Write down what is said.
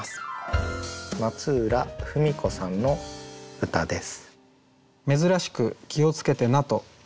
松浦冨美子さんの歌です。